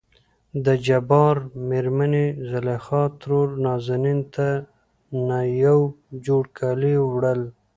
دجبار مېرمنې زليخا ترور نازنين ته نه يو جوړ کالي وړل.